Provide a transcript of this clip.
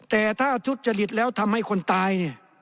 แต่ถ้าทุษยศจริตแล้วทำให้คนตาย